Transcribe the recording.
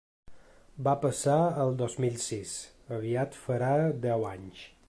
Va passar el dos mil sis: aviat farà deu anys.